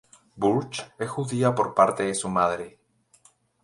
Burch es judía por parte de su madre.